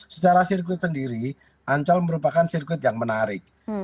secara sirkuit sendiri ancol merupakan sirkuit yang menarik